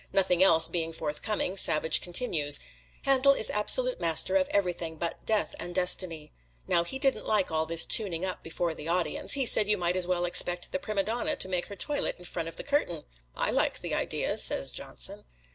Nothing else being forthcoming, Savage continues: "Handel is absolute master of everything but Death and Destiny. Now he didn't like all this tuning up before the audience; he said you might as well expect the prima donna to make her toilet in front of the curtain" "I like the idea," says Johnson.